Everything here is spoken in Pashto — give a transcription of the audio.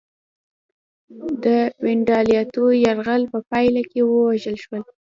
د ونډالیانو یرغل په پایله کې ووژل شو